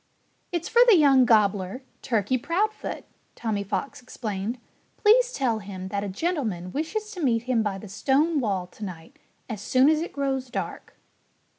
"It's for the young gobbler, Turkey Proudfoot," Tommy Fox explained. "Please tell him that a gentleman wishes to meet him by the stone wall to night, as soon as it grows dark."